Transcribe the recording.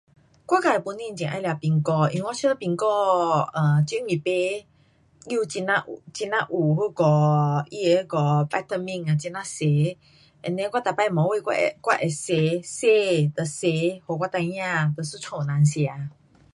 我自本身很爱吃苹果。因为我觉得苹果 um 很容易买，又很呀有，很呀有那个它的那个 vitamin 啊很呀多，and then 我每次晚上我会，我会切洗跟切，给我孩儿跟一家人吃。